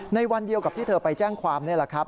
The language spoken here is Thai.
ในวันเดียวกับที่เธอไปแจ้งความนี่แหละครับ